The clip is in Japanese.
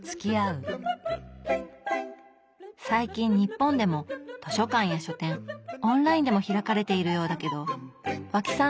最近日本でも図書館や書店オンラインでも開かれているようだけど和氣さん